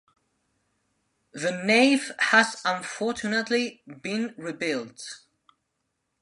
The nave has unfortunately been rebuilt.